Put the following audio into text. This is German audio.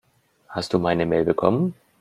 Hast du meine Mail bekommen?